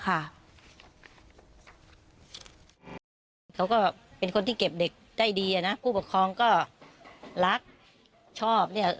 เขาก็เป็นคนที่เก็บเด็กได้ดีอะนะผู้ปกครองก็รักชอบเนี่ย